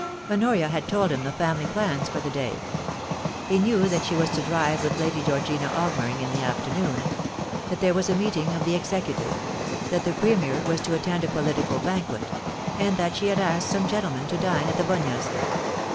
Honoria had told him the family plans for the day. He knew that she was to drive with Lady Georgina Augmering in the afternoon ; that there was a meeting of the Executive; that the Premier was to attend a political banquet ; and that she had asked some gentlemen to dine at The Bunyas.